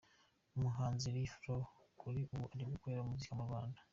Umuhanzi R Flow kuri ubu ari gukorera umuziki mu Rwanda.